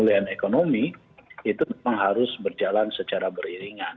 dan ekonomi itu memang harus berjalan secara beriringan